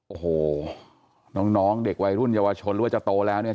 โอ้โหน้องเด็กวัยรุ่นเยาวชนหรือว่าจะโตแล้วเนี่ย